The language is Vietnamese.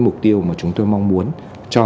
mục tiêu mà chúng tôi mong muốn cho